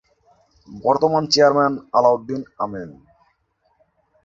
বর্তমান চেয়ারম্যান: আলাউদ্দীন আমীন